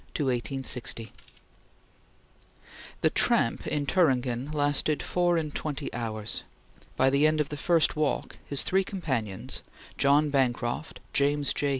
CHAPTER VI ROME (1859 1860) THE tramp in Thuringen lasted four and twenty hours. By the end of the first walk, his three companions John Bancroft, James J.